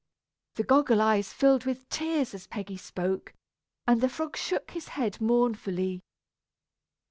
The goggle eyes filled with tears as Peggy spoke, and the frog shook his head mournfully.